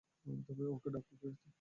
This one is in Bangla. ওকে ডাক, কীর্তি!